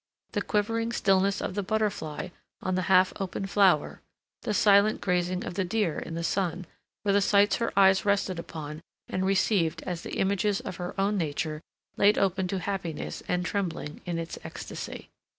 The quivering stillness of the butterfly on the half opened flower, the silent grazing of the deer in the sun, were the sights her eye rested upon and received as the images of her own nature laid open to happiness and trembling in its ecstasy.